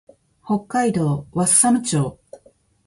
北海道和寒町